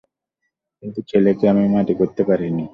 কিন্তু ছেলেকে আমি মাটি করতে পারি না ।